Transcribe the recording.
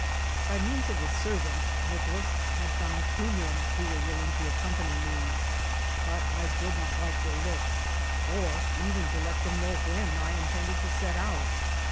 By means of the servants Nicolas had found two men who were willing to accompany me, but I did not like their looks, or even to let them know when I intended to set out.